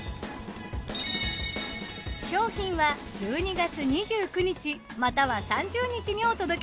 商品は１２月２９日又は３０日にお届けします。